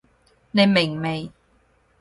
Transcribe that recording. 你明未？